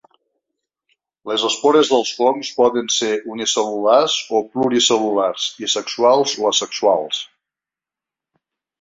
Les espores dels fongs poden ser unicel·lulars o pluricel·lulars i sexuals o asexuals.